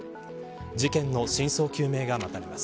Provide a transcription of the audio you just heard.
事件の真相究明が待たれます。